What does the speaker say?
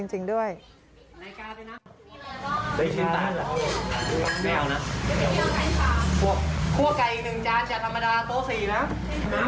อาจารย์ชอบเย็นดับโฟไหมคะ